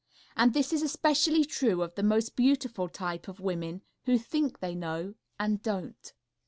And this is especially true of the most beautiful type of women, who think they know, and don't.